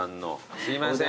すいません。